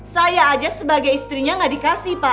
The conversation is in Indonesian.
saya aja sebagai istrinya nggak dikasih pak